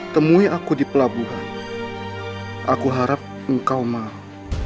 temui aku di pelabuhan aku harap engkau mau